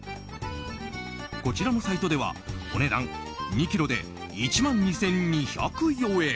こちらのサイトではお値段２ｋｇで１万２２０４円。